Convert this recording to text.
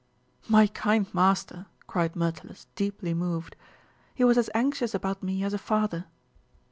"My kind master!" cried Myrtilus, deeply moved. "He was as anxious about me as a father."